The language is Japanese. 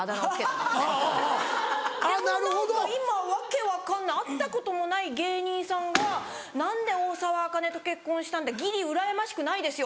でも何か今訳分かんない会ったこともない芸人さんが「何で大沢あかねと結婚したんだギリうらやましくないですよ」。